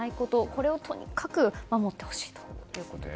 これをとにかく守ってほしいということです。